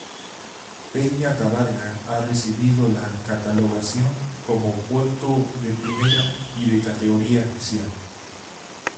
Peña Cabarga ha recibido la catalogación como puerto de primera y de categoría especial.